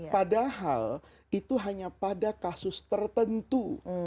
padahal itu hanya pada kasus tertentu